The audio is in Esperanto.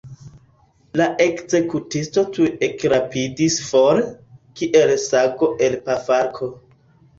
La ekzekutisto tuj ekrapidis for, kiel sago el pafarko.